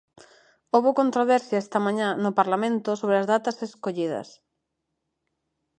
Houbo controversia esta mañá no Parlamento sobre as datas escollidas.